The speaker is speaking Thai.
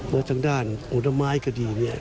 แล้วตั้งด้านอุดม้ายก็ดี